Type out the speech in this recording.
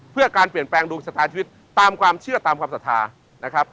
เพื่อการเปลี่ยนแปลงรูปศรัทธาชีวิตตามความเชื่อตามความศรัทธา